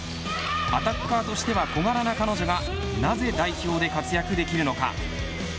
アタッカーとしては小柄な彼女がなぜ代表で活躍できるのか。